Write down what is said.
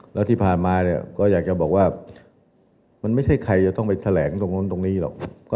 แล้วที่ผ่านมาเนี่ยก็อยากจะบอกว่ามันไม่ใช่ใครจะต้องไปแถลงตรงนู้นตรงนี้หรอก